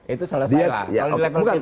itu salah salah